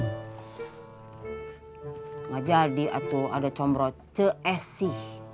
tidak jadi atu ada combro cek esi